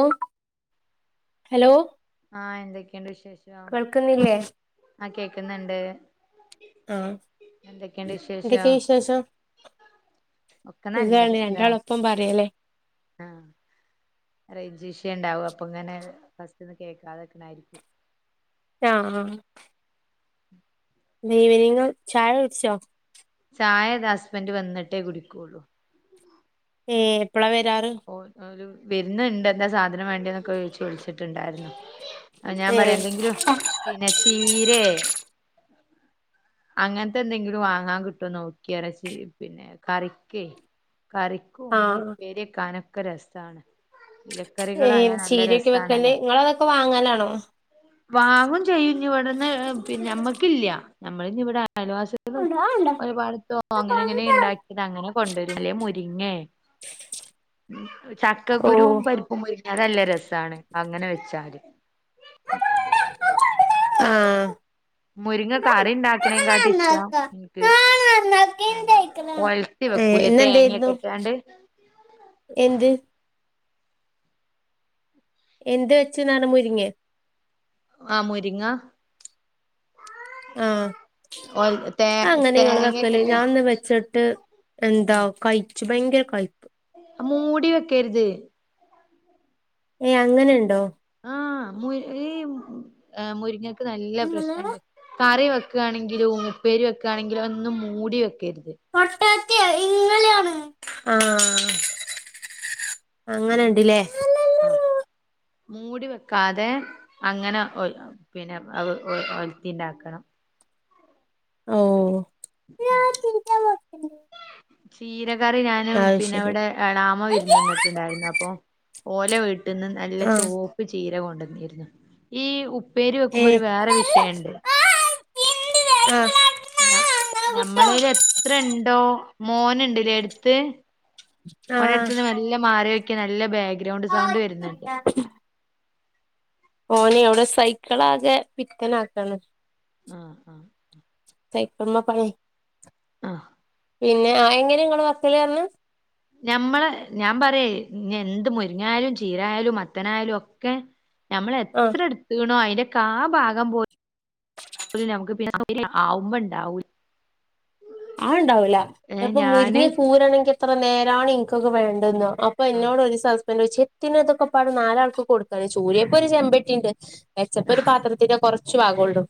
ഓ hello ആഹ് എന്തൊക്കെയുണ്ട് വിശേഷം കേൾക്ക്ന്നില്ലേ ആഹ് കേക്ക്ന്ന്ണ്ട്. ആഹ് എന്തെക്കെ വിശേഷം. ഒക്കെ നല്ലത്. സുഖാണ് എന്താ രണ്ടാളും ഒപ്പം പറയല്ലേ. ആഹ് റൈഞ്ച് ഇഷ്യൂ ണ്ടാവും അപ്പ ഇങ്ങനെ ഫസ്റ്റ്ന്ന് കേക്കാതെക്കണായിരിക്കും. ആഹ് ആഹ്. ല്ലെ ഇവനിങ് ചായ കുടിച്ചോ. ചായതാ ഹസ്ബൻഡ് വന്നിട്ടേ കുടിക്കൊള്ളൂ. ഏഹ് എപ്പളാ വെരാറ്. ഓ ഒരു വെര്ന്ണ്ട് എന്താ സാധനം വേണ്ടി എന്നൊക്കെ ചോയിച്ചു വിൾച്ച്ട്ട്ണ്ടാര്ന്നു ആഹ് ഞാൻ പറയാ ഏഹ് എന്തെങ്കിലും പിന്നെ ചീരേ അങ്ങൻത്തെന്തെങ്കിലും വാങ്ങാൻ കിട്ടോ നോക്കിയറിയ ചീ പിന്നെ കറിക്കേയ് കറി ക്കും ഞ്ഞു ആഹ് ഉപ്പേരിയെക്കാനൊക്കെ രെസാണ്. ഏ ചീരയൊക്കെ വെക്കന് ങ്ങളതൊക്കെ വാങ്ങലാണോ. വാങ്ങും ചെയ്യും ഞ് ഇവട്ന്ന് പിന്നെ ഞമ്മക്കില്ല നമ്മളിഞ്ഞിവിടെ അയൽവാസി ഒരുപാടത്തോ അങ്ങനെ അങ്ങനെ ഇണ്ടാക്കിയത് അങ്ങനെ കൊണ്ടുവരല്ലേ മുരിങ്ങേ. ചക്കകുരുവും ഓഹ് പരിപ്പും മുരിങ്ങയെല അത് നല്ല രസമാണ് അങ്ങനെ വെച്ചാല്. ആഹ് മുരിങ്ങ കറി ഇണ്ടാക്കണേക്കാട്ടി ഇഷ്ടവാ എനിക്ക്- ആഹ് ആഹ് ഒലർത്തി ഏഹ് വെക്കൂലെ ഇന്നെന്തായിരുന്നു തേങ്ങക്കെട്ടാണ്ട്. എന്ത് എന്ത് വെച്ച്ന്നാണ് മുരിങ്ങേ. ആഹ് മുരിങ്ങ. ആഹ് ഒൽ തേ അങ്ങനെ ആ നിങ്ങള് തേങ്ങയൊക്കെ വെക്കല് ഇട്ട് ഞാൻ അന്ന് വച്ചിട്ട്- എന്താ ആ കയ്ച്ചു ഭയങ്കര കയ്പ്പ്. മൂടി വെക്കരുത്. ഇനി അങ്ങനെണ്ടോ. ആഹ് മുരിങ്ങയും മുരിങ്ങക്ക് നല്ല നിങ്ങള് പ്രശ്നയിണ്ട് കറി വെക്കുവാണെങ്കിലും ഉപ്പേരി വെക്കുവാണെങ്കിലും ഒന്നും മൂടി വെക്കരുത്. പൊട്ടത്തി ഇങ്ങെനെയാണ് ആഹ് ആഹ് അങ്ങനുയ്ണ്ടല്ലേ. ആഹ്. മൂടി വെക്കാതെ അങ്ങനെ പിന്നെ അത് ഒലത്തി ഇണ്ടാക്കണം. ഓ [unintelligible] ചീരകറി ഞാന് അത് പിന്നെ ശരി ഇവിടെ എളാമ വിരുന്ന് വന്നിട്ടുണ്ടായിരുന്നു അപ്പൊ- ഓല വീട്ട്ന്ന് നല്ല ആഹ് ചോപ്പ് ചീര കൊണ്ടുവന്നാരുന്നു ഈ ഉ- ഉപ്പേരി വെക്കുമ്പോ ഒരു ഏഹ് വേറെ വിഷയുണ്ട് ആഹ് ഞമ്മളെ കൈയില് എത്ര ഇണ്ടോ മോനുണ്ടല്ലേ എടുത്ത്. ഓന്റെ ആഹ് അടുത്ത് നിന്ന് മെല്ല മാറി നിക്ക് നല്ല ബാക്ക്ഗ്രൗണ്ട് സൗണ്ട് വരുന്നുണ്ട്. ഓനെ അവിടെ സൈക്കിളാകെ പിത്തന് ആക്കാണ്. ആഹ് ആഹ്. സൈക്കിളുംമേ പണിയാ ആഹ് പിന്നെ ആ എങ്ങനെ നിങ്ങള് വെക്കല് പറഞ്ഞ് ഞമ്മള് ഞാൻ പറയുവെ എന്ത് മുരിങ്ങായാലും ചീരായാലും മത്തനായാലും ഒക്കെ. ഞമ്മള് അത് എത്ര എടുത്തിക്ക്‌ണോ അതിന്റെ കാൽ ഭാഗം പോ- നമക്ക് പിന്നെ ആവുമ്പം ഇണ്ടാകില്ല അങ്ങനെ ഉണ്ടാവില്ല ഏഹ് ചെലപ്പോ മുരിങ്ങ ഞാന് ഒക്കെ ഊരണോങ്കി എത്ര നേരാണ് ഇനിക്കൊക്കെ വേണ്ടതയെന്ന് അപ്പൊ ആഹ് എന്നോട് ഒരു ദിവസം ഹസ്ബെൻഡ് ചോയിച്ചു എന്തിനാ ഇതൊക്കെ പാട് നാലാൽക്ക് കൊടുക്കാണ് ചൂരിയപ്പൊ ഒരു ചെമ്പട്ടിയുണ്ട് വെച്ചപ്പ ഒരു പാത്രത്തിന്റെ കൊറച്ചു ഭാഗൊള്ളൂ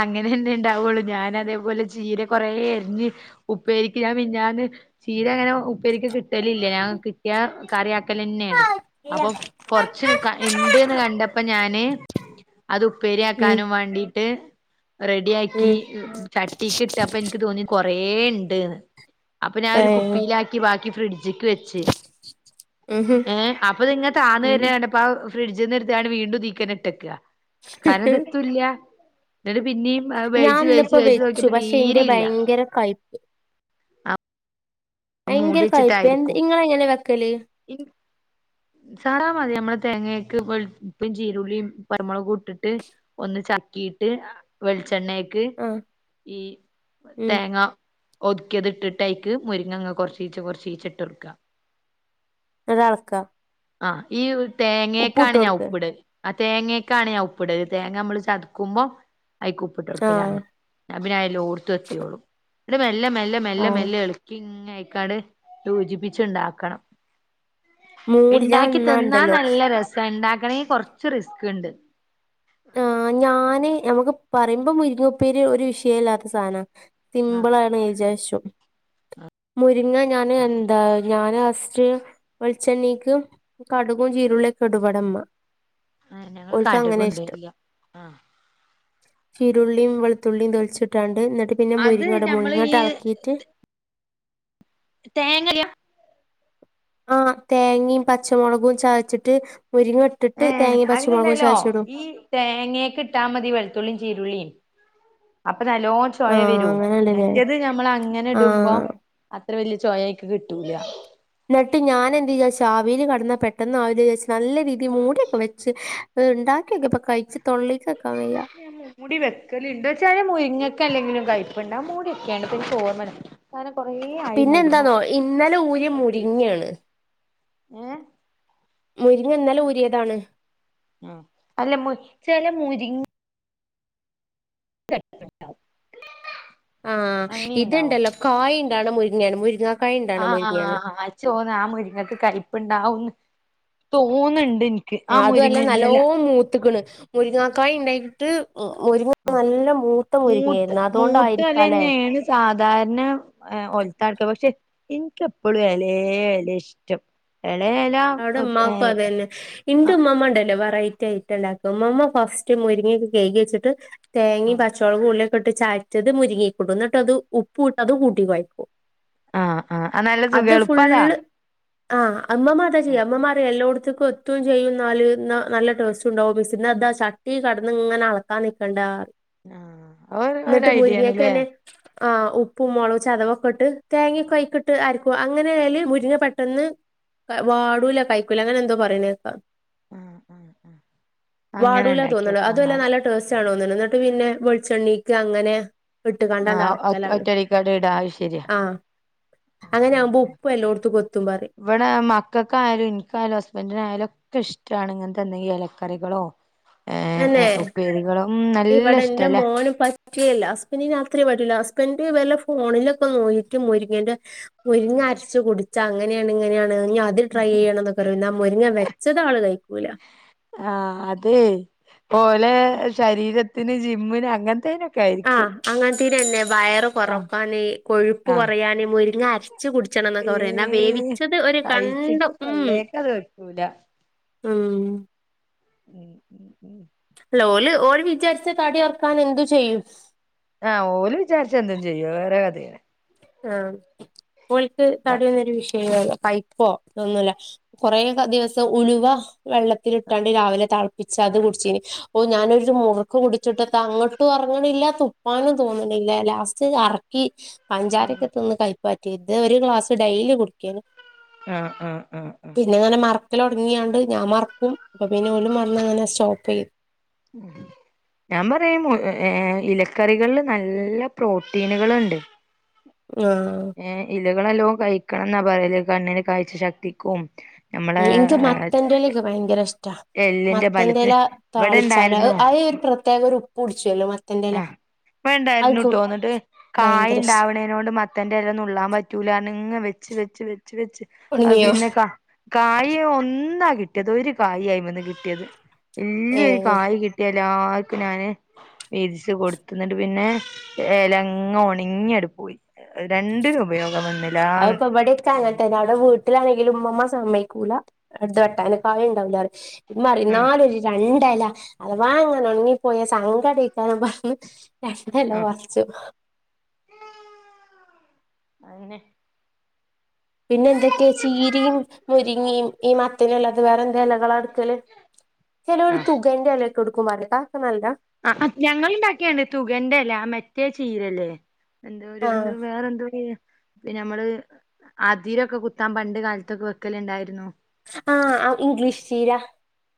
അങ്ങനെ തന്നെ ഉണ്ടാവുള്ളു ഞാൻ അതേപോലെ ചീര കൊറേ അരിഞ്ഞ്- ഉപ്പേരിക്ക് ഞാൻ മിനിഞ്ഞാന്ന് ചീര - ഉപ്പേരിക്ക് കിട്ടല് ഇല്ല ഞാൻ കിട്ടിയാ കറി ആക്കല് തന്നെയാണ് അപ്പോ കൊറച്ച്- ഇണ്ട്ന്ന് കണ്ടപ്പോ ഞാന് അത് ഉം ഉപ്പേരിയാക്കാനും വാണ്ടീട്ട് റെഡിയാക്കി ഉം ചട്ടീക്ക് ഇട്ടപ്പം എനിക്ക് തോന്നി കൊറേ ഇണ്ട്ന്ന് അപ്പോ ഞാൻ ഒരു ഏഹ് കുപ്പിയിലാക്കി ബാക്കി ഫ്രിഡ്ജ്- ഡ്‌ജ്‌ക്ക്‌ വെച്ച് ഉം ഹും ഏഹ് അപ്പ ഇതിങ്ങനെ താന്ന് ഉം വരുന്നത് കണ്ടപ്പോ- പ്പ ആ ഫ്രിഡ്ജിൽ നിന്ന് എടുത്ത് ങ്ങാണ്ട് വീണ്ടും ഇതീൽക്കന്നെ ഇട്ടെക്ക കാരണം ഇത് ഒട്ടുയില്ല എന്നിട്ട് പിന്നെയും ഞാൻ വേവിച്ച് ഇന്നിപ്പോ വേവിച്ച് വെച്ചു നോക്കിയപ്പോ പക്ഷെ ഇന്റെ തീരെയില്ല ഭയങ്കര കയ്പ്പ് മൂടി ഭയങ്കര കയ്പ്പ് എന്ത് നിങ്ങള് എങ്ങനെ വെക്കല് ഇത് സാറാ മതി നമ്മള് തെങ്ങെക്ക് ഉപ്പും ചീരുള്ളിയും പരുമുളകും ഇട്ടിട്ട്- ഒന്ന് ചക്കീട്ട് വെളിച്ചെണ്ണയക്ക് ആഹ് ഈ ഉം തേങ്ങ- ഒതുക്കിയത് ഇട്ടിട്ടായിക്ക് മുരിങ്ങങ്ങ് കുറച്ചീച്ചെ കുറച്ചീച്ചെ ഇട്ട് കൊടുക്കുക അതളക്ക ആഹ് ഈ തേങ്ങീക്കാണ് ഞാൻ ഉപ്പുട്ടൊട്ക്ക് ഉപ്പിടൽ ആ തേങ്ങെക്കാണ് ഞാൻ ഉപ്പിടൽ തേങ്ങ നമ്മള് ചതുക്കുമ്പോ അയിക്ക് ഉപ്പിട്ട് ആഹ് കൊടുക്കലാണ് അത് പിന്നെ എല്ലായിടത്തും എത്തിയോളും പിന്നെ മെല്ലെ മെല്ലെ മെല്ലെ ആഹ് മെല്ലെ ഇളക്കി ഇങ്ങ കട് സൂചിപ്പിച്ചുണ്ടാക്കണം മൂടി ഞാൻ ഉണ്ടാക്കി തിന്നാ ഇന്നാണ്ടല്ലോ നല്ല രസാ ഉണ്ടാക്കണെങ്കി കൊറച്ച് റിസ്ക്ണ്ട് ആഹ് ഞാന് നമ്മക്ക് പറയുമ്പോ മുരിങ്ങുപ്പേരി ഒരു വിഷയ ഇല്ലാത്ത സാന. ആഹ് സിംമ്പ്ള് ആണ് വിചാരിച്ചു മുരിങ്ങ ഞാന് എന്താ ഞാന് ലാസ്റ്റ്‌ വെളിച്ചെണ്ണീക്ക് കടുകും ചീരുള്ളി ഒക്കെ ഇടും ഇവിടെ ഇമ്മ ആ ഞങ്ങള് കടുക് കൊണ്ടർല ആഹ് ചീരുള്ളിയും വെളുത്തുള്ളിയും തോലിച്ചിട്ടാണ്ട് എന്നിട്ട് പിന്നെ അത് മുരിങ്ങട ഞമ്മള് ഈ മുരിങ്ങ്ട്ട് അളക്കിയിട്ട് തേങ്ങലിയ ആഹ് തേങ്ങയും പച്ചമുളകും ചാച്ചിട്ട് മുരിങ്ങ ഇട്ടിട്ട് തേങ്ങയും പച്ചമുളകും ചാച്ചിടും തേങ്ങയൊക്കെ ഇട്ടാ മതി വെളുത്തുള്ളിയും ചീരുള്ളിയും അപ്പോ നല്ലോ ചൊയ ആഹ് വരൂ അങ്ങനെയാണ്ല്ലേ മറ്റേത് നമ്മള് അങ്ങനെ ഇടുമ്പോ ആഹ് അത്ര വലിയ ചോയയ്ക്ക് കിട്ടൂല ന്നിട്ട് ഞാൻ എന്ത് വിയയിച്ച ആവിൽ കടന്നാ പെട്ടെന്ന് ആ ഒരു നല്ല രീതിൽ മൂടിയൊക്കെ വെച്ച് അത് ഉണ്ടാക്കിയൊക്കെ ഇപ്പോ കഴിച്ച് തൊള്ളീക്ക്‌ വക്കാൻ വയ്യ മൂടി വെക്കലുണ്ട് വച്ചാ മുരിങ്ങൊക്കെ അല്ലെങ്കിലും കൈപ്പുണ്ട് മൂടി വെക്കാണ്ട അത് തോന്നാണ് സാനെ കൊറെ പിന്നെ എന്താന്നോ ഇന്നലെ ഊര്യ മുരിങ്ങെണ് വെച്ചിട്ട് ഏഹ് മുരിങ്ങ ഇന്നലെ ഊരിയതാണ് അല്ല മു ചെലെ മുരി [unintelligible] ആഹ് അങ്ങനെ ഉണ്ടാവും ഇത്ണ്ടല്ലോ കായിണ്ടാണ് മുരിങ്ങയാണ് മുരിങ്ങ ആഹ് ആഹ് ഇചോന്ന് ആ മുരിങ്ങക്ക് കയപ്പുണ്ടാവുന്ന് തോന്നുന്നുണ്ട് എനിക്ക് ആ അതുല്ല മുരിങ്ങന്റെ നല്ലോ എല മൂത്ത്ക്ക്ണ് മുരിങ്ങാക്കായ് ഉണ്ടായിട്ട് ഉ മുരിങ്ങ ആ നല്ല മൂത്ത മൂത്ത് മുരുങ്ങിയായിരുന്നു മൂത്ത അതുകൊണ്ടായിരിക്കല്ലെ എലന്നെയാണ് സാധാരണ ഒൽത്താട്ട് പക്ഷെ എനിക്ക് എപ്പോഴും എലെ എലെ ഇഷ്ട്ടം എലെ അടെമാക്കും അതെന്നെ ഇന്റുമ്മമ്മ ഉണ്ടല്ലോ വെറൈറ്റി ഐറ്റം ഉണ്ടാക്ക മമ്മ ഫസ്റ്റ് മുരിങ്ങിയൊക്കെ കഴുകിച്ചിട്ട് തേങ്ങയും പച്ചോളകും ഉള്ളിയൊക്കെ ഇട്ട് ചതച്ചത് മുരിങ്ങീക്കിടും എന്നിട്ട് അത് ഉപ്പൂ അത് കൂട്ടി കൊയക്കും ആഹ് ആഹ് നല്ല സുഖ അത് എളുപ്പതാ ഫുള്ള് ആ അമ്മ എന്താ ചെയ്യാ അമ്മമാറിയു എല്ലോടത്തക്കും റ്റം ചെയ്യുന്നാല് നല്ല ടേസ്റ്റ് ഉണ്ടാവും മിസ് ഇന്നതാ ചട്ടി കടന്ന ഇങ്ങനെ അളക്കാൻ നൽക്കണ്ടറിയു ആഹ ഒരു ഒരു ഐഡിയ ആണല്ലേ ആഹ ഉപ്പും മുളക് ചതവൊക്കെ ഇട്ട് തേങ്ങൊക്കെ ആയിക്കിട്ട് അരക്കും അങ്ങനെ ആയല് മുരിങ്ങ പെട്ടെന്ന് വാടൂല കയ്ക്കൂലില്ല അങ്ങനെ എന്തോ പറയുന്നത് കേക്കാ ആഹ് ആഹ് അങ്ങനെ വാടൂല തോന്നണ് ഉണ്ടാക്കിയോക്കണം അതുവല്ല എന്നാല് നല്ല ടു സ തോന്ന് എന്നിട്ട് പിന്നെ വെളിച്ചെണ്ണിക്ക് അങ്ങനെ ഇട്ട്ങ്ങാണ്ട് അങ്ങനെ ആൾക്കലാന്ന് അയിശരിയ ആഹ അങ്ങനെവുമ്പോ ഉപ്പും എല്ലാ ടത്തേക്കും എത്തും പറയും ഇവിടെ മക്കൾക്കായാലും എനിക്കായാലും ഹസ്ബൻഡിനായാലും ഒക്കെ ഇഷ്ടമാണ് ഇങ്ങനെത്തെ എന്തെങ്കിലും ഇലക്കറികളോ ഏ ഉപ്പേരികളോ ഉം ഇവിടെ നല്ല എന്റെ ഇഷ്ടല്ലേ മോന് പ പറ്റല്ല ഹസ്ബൻഡിന് രാത്രി വരില്ല ഹസ്ബൻഡ് വല്ല ഫോണിലൊക്കെ നോക്കി മുരിങ്ങേന്റെ മുരിങ്ങ അരച്ചു കുടിച്ചാ അങ്ങനെയാണ് ഇങ്ങനെയാണ് ട്രൈ ചെയ്യണം എന്നൊക്ക പറയും എന്നാ മുരിങ്ങ വെച്ചത് ആള് കഴിക്കൂല്ല ആഹ് അതെ ഓലെ ശരീര ത്തിന് ജിമ്മിന് അങ്ങനത്തേനൊക്കെ ആയിരിക്കും അങ്ങനത്തീര്തന്നെ വയറ് ആഹ് കൊറക്കാന് കൊഴുപ്പ് ആഹ് കുറയാന്‌ മുരിങ്ങര വച്ച് കുടിച്ചണം എന്നൊക്കെ പറയാ എന്നാ ഏഹ് വേവിച്ചത് ഒരു കണ്ടും പൈസക്ക് ഉം തൊള്ളേക്കത് പറ്റൂല ഉം ഉം ഉം ഉം അല്ല ഓള് ഓള് വിചാരിച്ച തടി കുറക്കാൻ എന്തു ചെയ്യും ആഹ് ഓള്‌ വിചാരിച്ച എന്തും ചെയ്യോ വേറെ കഥ ആഹ് ഓൾക്ക് തടിയുന്നൊരു വിഷയല്ല കൈപ്പൊന്നുമല്ല കൊറെക്ക ദിവസം ഉലുവ വെള്ളത്തിലിട്ടാണ്ട് രാവിലെ തിളപ്പിച്ച് അത് കുടിച്ചേന് ഓ ഞാനൊരു മുറുക്ക് കുടിച്ചിട്ട അങ്ങ് ഒട്ടും ഉറങ്ങണില്ല തുപ്പാനും തോന്നണില്ല ലാസ്റ്റ് എറക്കി ഉം പഞ്ചാരക്ക തിന്ന് കൈപ്പാറ്റി ഇത് ഒരു ഗ്ലാസ് ഡെയിലി കുടിക്കേ ആഹ് ആഹ് ആഹ് ആഹ് പിന്നെ അങ്ങനെ മറക്കിൽ തുടങ്ങിയാണ്ട് ഞാൻ മറക്കും അപ്പം പിന്നെ ഓള് വന്ന് അങ്ങനെ സ്റ്റോപ്പ് ചെയ്തു ഉം ഞാൻ പറയുമേ ഇലക്കറികളിൽ നല്ല പ്രോട്ടീനുകളുണ്ട് ആഹ് ഏഹ് ഇലകളെല്ലോ കഴിക്കണം എന്നാ പറയല് കണ്ണിന് കഴ്ച ശക്തിക്കും നമ്മളെ ഉം എനിക്ക് മത്തന്റെ ഇലയൊക്കെ ഭയങ്കര ഇഷ്ടാ എല്ലിന്റെ മത്തന്റെല ബലത്തിന് ഇവിടെ താളിച്ചാല് ഇണ്ടായിരുന്നു അത് ഒരു പ്രത്യേക ഒരു ഉപ്പ് കുടിച്ചുവല്ലോ മത്തന്റെ ഇല ഇവണ്ടായിരുന്നുട്ട് എന്നിട്ട് കായ് ഭയങ്കര ഇഷ്ട ഉണ്ടാവണേ അതോണ്ട് മത്തന്റെ ഇല നുള്ളാൻ പറ്റൂല ഇ വെച്ച് വെച്ച് വെച്ച് വെച്ച് അഹ് ഉണങ്ങിയോ പിന്നെക്ക കായ ഒന്നാ കിട്ടിയത് ഒരു കായ ആയി വന്ന് കിട്ടിയത് വല്യ ഏ ഒരു കായ് കി എല്ലാർക്കും ഞാന് വീതിച്ച് കൊടുത്ത എന്നിട്ട് പിന്നെ ഏലങ്ങ് ഉണങ്ങി അങ്ങ് പോയി രണ്ടിന് ഉപയോഗം വന്ന അത് പവിടൊക്കെ അങ്ങനെ തന്നെ അവിടെ വീട്ടിലാണെങ്കിലും ഉമ്മമാ സമ്മതിക്കൂല അടുത് വട്ടാനൊക്ക [unintelligible] ഉമ്മ പറയും ഉം എന്നാലു [unintelligible] രണ്ട എല അഥവാ അങ്ങനെ ഉണങ്ങിപ്പോയ സങ്കടിക്കാനും രണ്ട എല ച്ച് [unintelligible] അങ്ങനെ പിന്നെ എന്തൊക്കെയാ ചീരയും മുരിങ്ങിയും ഈ മത്തനല്ലാത് വേറെ എന്താ ഇലകളാ എടുക്കല് ചിലരു ആഹ് തുകന്റെ എലൊക്കെ കെടുക്കുംകാക്കെ നല്ല ആഹ് ഞങ്ങൾ ഇണ്ടാക്കിയണ്ട് തുകന്റെ എല അല്ലേ ആഹ് മറ്റേ ചീരല്ലേ എന്തോ ഒരു ആ എന്തു വേറെ എന്തോ ചീര പിന്നെ നമ്മൾ അതിരൊക്കെ കുത്താൻ പണ്ട് കാലത്തൊക്കെ വെക്കലുണ്ടായിരുന്നു ആഹ് ഇംഗ്ലീഷ് ചീര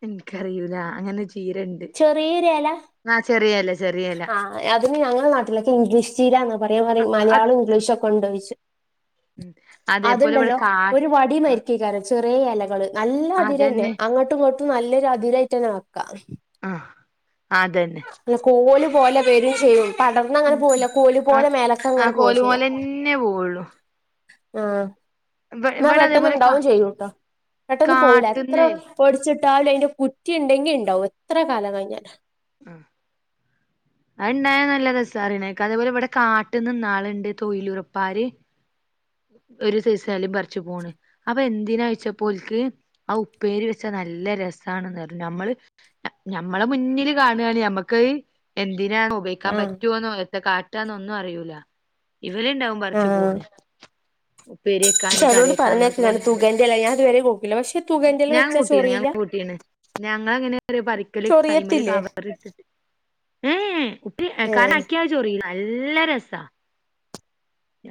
എനിക്കറിയൂല അങ്ങനെ ചീര ഉണ്ട് ചെറിയൊരല ചെറിയല ആഹ് അതിന് ഞങ്ങളുടെ നാട്ടിലൊക്കെ ഇംഗ്ലീഷ് ചീരന്നാ പറയാ പറയും മലയാള അത് ഇംഗ്ലീഷും ഒക്കെ ഉണ്ടോച്ചും ഉം അതേപോലെ ഇവിടെ അതുണ്ടല്ലോ കാ ഒരു വടി ആ മരിക്ക ചെറിയ ഇലകൾ നല്ല അതിരന്നെ അതന്നെ അങ്ങോട്ടും ഇങ്ങോട്ടും നല്ലൊരു അതിരായിട്ട്തന്നെ വെക്കാം ആഹ് അതന്നെ അല്ല കോലു പോലെവരും ചെയ്യും പടർന്ന് ഉം അങ്ങനെ പോല്ല ഉം. കോല പോലെ മേലക്ക അങ്ങനെ പോവാ ചെയ്യാ പിന്നെ പോവുളളു ആഹ് ഇന്നാ ഇവിടെ പെട്ടെന്ന് അതേപോലെ കാ ഉണ്ടാവും ചെയ്യൂട്ടോ പെട്ടെന്ന് പോവൂല എത്ര കാട്ട്ന്നേ പൊടിച്ചിട്ടാല് കുറ്റി ഇണ്ടെങ്കി ഇണ്ടാവും എത്ര കാലം കഴിഞ്ഞാലും ഉം അത് ഉണ്ടായ നല്ല രസറിണീക്ക അതേപോലെ ഇവിടെ കാട്ട്ന്ന് നിന്നാളണ്ട് തൊഴിലുറപ്പാര് ഒരു സൈസ്‌ എല പറിച്ചുപോണ് അപ്പൊ എന്തിനാ ചോയിച്ചപ്പോൽ ഓലക്ക് ആത് ഉപ്പേരി വെച്ചാ നല്ല രസമാണന്ന് നമ്മൾ ഞമ്മളെ മുന്നിൽ കാണാണ് നമ്മക്ക് എന്തിനാ ഉപ ഇടിക്കാൻ ആഹ് പറ്റുവന്നോ എത്താ കാട്ടാന്നോ ഒന്നും അറിയൂല ഇവർ ഉണ്ടാവും പറിച്ചു പോണ് ഉപ്പേരി [inaudible] വെക്കാന് കറി ചലോൽ വെക്കാന് എന്നൊക്കെ പറഞ്ഞെക്കാ പറഞ്ഞാണ്ട് തുകന്റെല ഞാൻ അതുവരെ നോക്കില്ല പക്ഷെ തുകന്റെലവെച്ചാ ചോറീല്ല ഞങ്ങങ്ങനെ പറിക്കൽ കൈമൽ കവറി ഇട്ടിട്ട് ഉം ട്ടീ ഏ കാരണം അക്കിയാ അത് ചോറിയും നല്ല രെസാ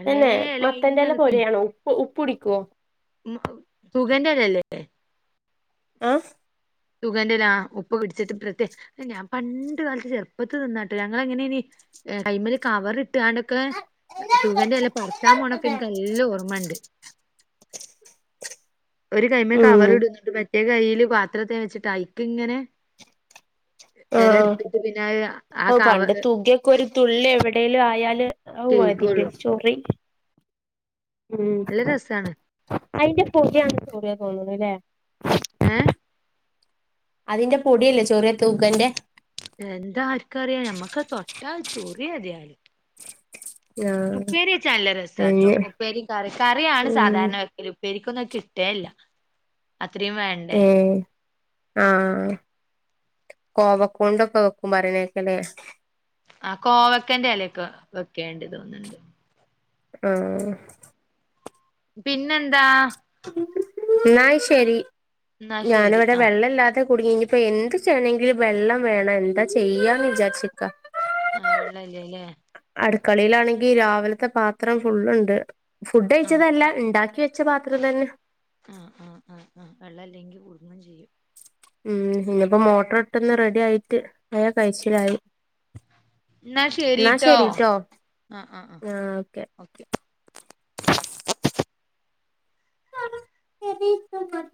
തന്നെ മത്തന്റെ ഇങ്ങനെ എലാ പോലെയാണേ ഉപ്പ് ഉപ്പ് പിടിക്ക്യാവോ ഉം സുഗേൻ്റെ എല അല്ലേ ല്ലേ ആഹ് തുകെന്റെ ഒരാ ഉപ്പ് പിടിച്ച്ട്ട് പ്രത്യേ ഞാൻ പണ്ട് കാലത്ത് ചെറുപ്പത്തി തിന്നാട്ടോ ഞങ്ങള് എങ്ങനെ നി ആഹ് അയ്മേല് കവർ ഇട്ടാണ്ടക്ക് തുഹന്റെ എലാ പറിച്ചാ പോണാക്കെ എനിക്ക് നല്ലാം ഓർമ്മണ്ട് ഒരു കൈമേ ഉം കവറും [unintelligible] മറ്റേ കയ്യില് പാത്രത്തെ വെച്ചിട്ട് ഐക്ക് ഇങ്ങനെ ആ എലാ എട്ത്തിട്ട് പിന്നെ ആഹ് ആ ക ക്ക് ഒര് തുള്ളി എവടെലും ആയാല് ഔ ആഹ് അയിന്റെ കെയ്കൊള്ളു ഒര് ചോറി ഉം നല്ല രസാണ് അയിന്റെ പെകയാണ് ചോറിയാന്ന് തോന്നത് അല്ലേ ഏഹ് അതിന്റെ പൊടിയല്ലേ ചെറിയ തൂകന്റെ എന്താ ആരിക്ക് അറിയാം ഞമ്മക്ക് തൊട്ടാ ചോറിയ അതിയാല് ആ ഉപ്പേരി വെച്ചാ നല്ലാ രെസാട്ടോ ഉപ്പേരിയും കറി കറിയാണ് ഉം സാധാരണ വെക്കല് ഉപ്പേരിക്കൊന്നും കിട്ടേ ഇല്ലാ അത്രയും വേണ്ടേ ആഹ് കോവകൊണ്ടൊക്കെ വെക്കും [unintelligible] ആഹ് കോവക്കന്റെ എലേക്കെ വെക്കേണ്ട് തിന്ന് ഇണ്ട് ആഹ് പിന്നെ എന്താ എന്നാ ശെരി എന്നാ ഞാന് ശരി ഇവടെ ആ വെള്ളം ഇല്ലാതെ കുടുങ്ങി ഇനി ഇപ്പോ എന്ത് ചെയ്യണമെങ്കില് വെള്ളം വേണം എന്താ ചെയ്യാന്ന് വിചാരിച്ച് ഇക്കാ ആഹ് വെള്ളം ഇല്ല അല്ലേ അടുക്കളെലാണെങ്കി രാവിലത്തെ പാത്രം ഫുള്ള് ഇണ്ട് ഫുഡ് ആ കയിച്ചതല്ല ഇണ്ടാക്കി വെച്ച പാത്രം തന്നെ ആഹ് ആഹ് ആഹ് ആഹ് വെള്ളം അല്ലെങ്കി കുടുങ്ങും ചെയ്യും ഉം ഇന്ന് ഇപ്പോ മോട്ടർ ഇട്ട് ഇന്ന് റെഡി ആയിട്ട് അയ് കയിച്ചിലായി എന്നാ ശരിട്ടോ ആ ആ ആ ആഹ് ഓക്കെ ഓക്കെ [unintelligible]